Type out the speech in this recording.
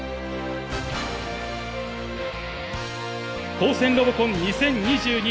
高専ロボコン２０２２